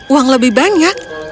uang lebih banyak